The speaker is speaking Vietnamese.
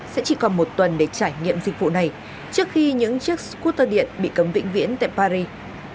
sẽ chỉ còn một tuần để trải nghiệm dịch vụ này trước khi những chiếc scooter điện bị cấm vĩnh viễn tại paris